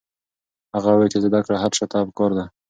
هغه وویل چې زده کړه هر چا ته پکار ده.